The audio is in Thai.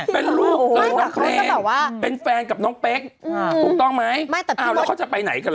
เป็นลูกเป็นแฟนกับน้องเป๊กอืมถูกต้องไหมอ้าวแล้วเขาจะไปไหนกัน